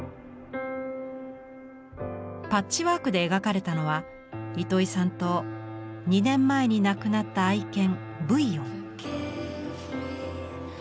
パッチワークで描かれたのは糸井さんと２年前に亡くなった愛犬ブイヨン。